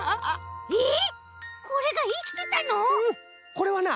これはな